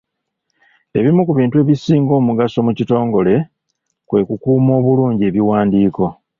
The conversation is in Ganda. Ebimu ku bintu ebisinga omugaso mu kitongole kwe kukuuma obulungi ebiwandiiko.